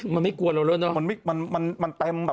มันไม่กลัวเราเลยเนอะ